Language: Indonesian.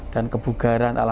dan kebugaran alhamdulillah